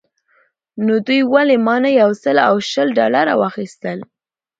نو دوی ولې مانه یو سل او شل ډالره واخیستل.